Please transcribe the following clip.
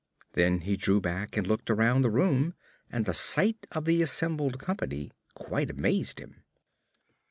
Then he drew back and looked around the room, and the sight of the assembled company quite amazed him.